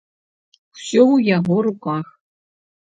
Усё ў яго руках!